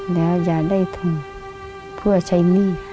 แล้วอย่าได้ทุนเพื่อใช้หนี้